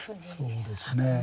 そうですね。